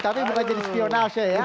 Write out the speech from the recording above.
tapi bukan jadi spion aja ya